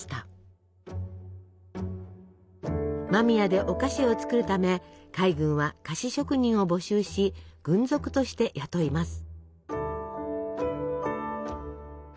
間宮でお菓子を作るため海軍は菓子職人を募集し軍属として雇います。